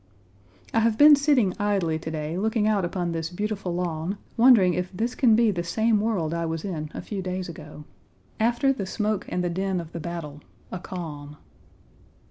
I have been sitting idly to day looking out upon this beautiful lawn, wondering if this can be the same world I was in a few days ago. After the smoke and the din of the battle, a calm.